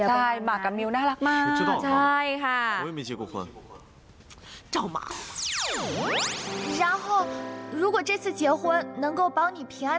หรือว่าถ้าไปกันกันกันคุณจะเป็นโชคสัมปะเนี่ย